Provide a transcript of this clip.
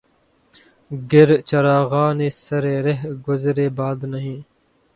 گر چراغانِ سرِ رہ گزرِ باد نہیں